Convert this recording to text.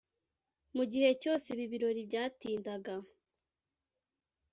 Mu gihe cyose ibi birori byatindaga